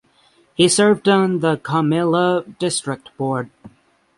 He served in the Comilla District Board.